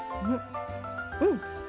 うん！